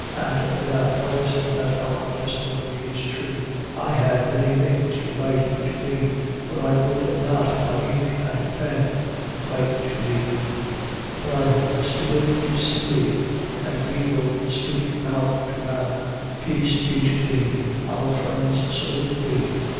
And thou knowest that our testimony is true. 1:13. I had many things to write unto thee: but I would not by ink and pen write to thee. 1:14. But I hope speedily to see thee: and we will speak mouth to mouth. Peace be to thee. Our friends salute thee.